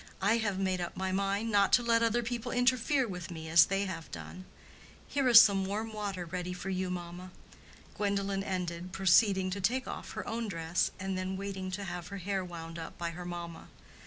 I have made up my mind not to let other people interfere with me as they have done. Here is some warm water ready for you, mamma," Gwendolen ended, proceeding to take off her own dress and then waiting to have her hair wound up by her mamma.